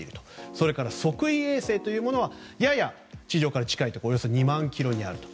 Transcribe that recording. それから測位衛星というものはやや地上から近いところおよそ２万ｋｍにあると。